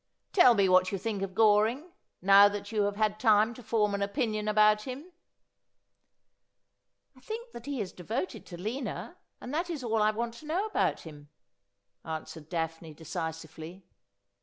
132 Asphodel. ' Tell me ■what you think of Goring, now that you have had time to form an opinion about him.' ' I think that he is devoted to Lina, and that is all I want to know about him,' answered Daphne decisively.